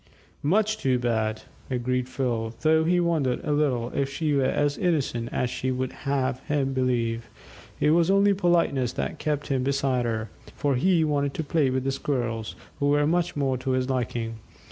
"Much too bad," agreed Phil, though he wondered a little if she were as innocent as she would have him believe. It was only politeness that kept him beside her, for he wanted to play with the Squirrels, who were much more to his liking.